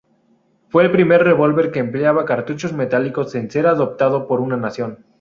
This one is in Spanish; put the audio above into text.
Fue el primer revólver que empleaba cartuchos metálicos en ser adoptado por una nación.